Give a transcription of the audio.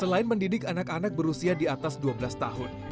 selain mendidik anak anak berusia di atas dua belas tahun